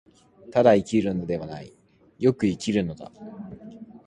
ただ生きるのではない、善く生きるのだ。